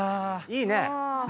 いいね。